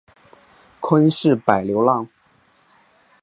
昆士柏流浪